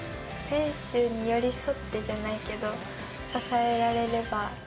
選手に寄り添ってじゃないけど、支えられれば。